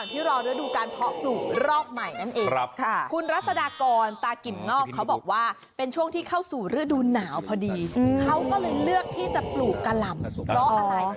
คุณแรชศดากรตากิมงอกเขาบอกว่าเป็นช่วงที่เข้าสู่ฤดูหนาวพอดีเขาก็เลยเลือกที่จะปลูกกะหล่ำเพราะอะไร